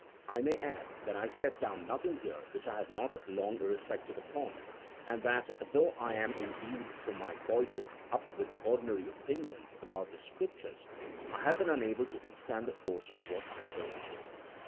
I may add that I set down nothing here which I have not long reflected upon, and that, though I was imbued from my boyhood up with the ordinary opinions about the Scriptures, I have been unable to withstand the force of what I have urged.